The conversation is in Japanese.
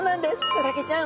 クラゲちゃん。